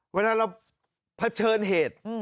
เวลาเราเผชิญเหตุ